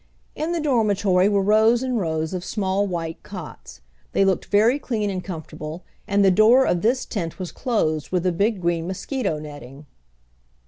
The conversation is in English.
In the dormitory were rows and rows of small white cots. They looked very clean and comfortable, and the door of this tent was closed with a big green mosquito netting.